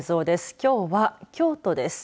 きょうは京都です。